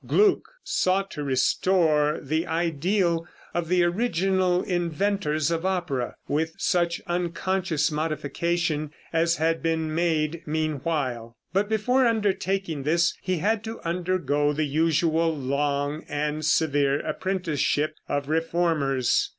Gluck sought to restore the ideal of the original inventors of opera, with such unconscious modification as had been made meanwhile. But before undertaking this he had to undergo the usual long and severe apprenticeship of reformers.